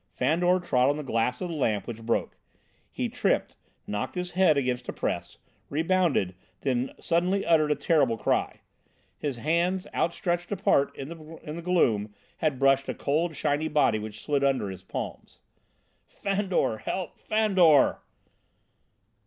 Fandor trod on the glass of the lamp, which broke. He tripped, knocked his head against a press, rebounded, then suddenly uttered a terrible cry. His hands, outstretched apart, in the gloom, had brushed a cold, shiny body which slid under his palms. "Fandor! Help, Fandor!"